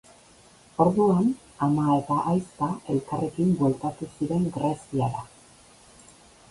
Orduan, ama eta ahizpa elkarrekin bueltatu ziren Greziara.